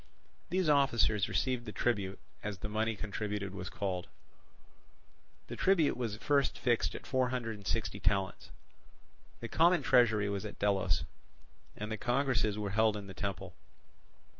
These officers received the tribute, as the money contributed was called. The tribute was first fixed at four hundred and sixty talents. The common treasury was at Delos, and the congresses were held in the temple.